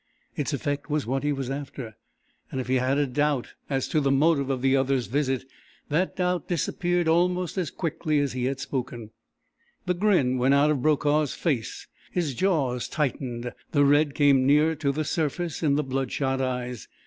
Its effect was what he was after, and if he had had a doubt as to the motive of the other's visit that doubt disappeared almost as quickly as he had spoken. The grin went out of Brokaw's face, his jaws tightened, the red came nearer to the surface in the bloodshot eyes.